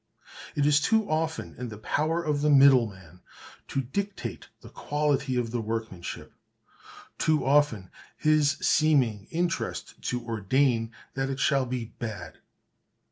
It is too often in the power of the middleman to dictate the quality of workmanship, too often his seeming interest to ordain that it shall be bad.